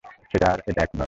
সেটা আর এটা এক নয়।